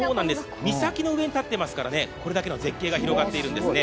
岬の上に建っていますからこれだけの絶景が広がっているんですね。